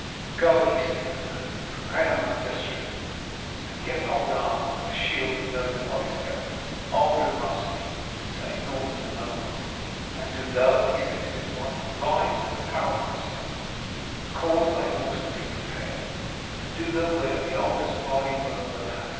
'Go,' he said to the man, 'prepare my destrier, and get old armour and a shield with no device thereon, old and rusty. And say naught to none.' 'And do thou,' he said to his wife, 'rise and apparel thyself, and cause thy horse to be prepared, and do thou wear the oldest riding robe thou hast.